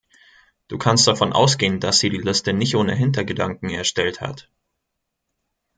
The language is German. Du kannst davon ausgehen, dass sie die Liste nicht ohne Hintergedanken erstellt hat.